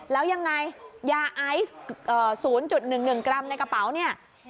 แล้วยังง่ายยาไอศ์งาร์๐๑๑กรัมในกระเป๋าเนี่ยของเราใช่ไหม